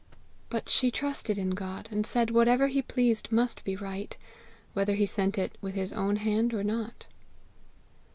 But she trusted in God, and said whatever he pleased must be right, whether he sent it with his own hand or not.